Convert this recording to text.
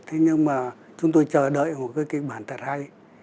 thế nhưng mà chúng tôi chờ đợi một cái kịch bản thật hay